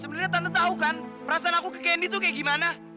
sebenarnya tante tahu kan perasaan aku ke candi tuh kayak gimana